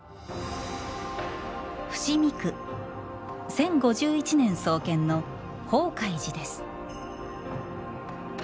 伏見区、１０５１年創建の法界寺です。